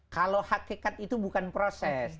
kalau hakikat itu bukan proses